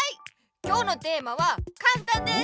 今日のテーマはかんたんです！